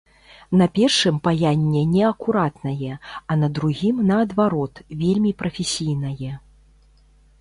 На першым паянне неакуратнае, а на другім, наадварот, вельмі прафесійнае.